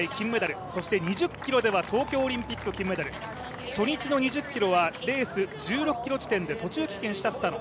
そして前回大会、金メダルそして２０ｋｍでは東京オリンピック、金メダル初日の２０ｋｍはレース１６ｋｍ地点で途中棄権したスタノ。